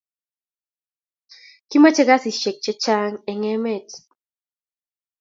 kimache kasisishek che chang en emet